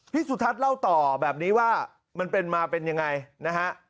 สุทัศน์เล่าต่อแบบนี้ว่ามันเป็นมาเป็นยังไงนะฮะ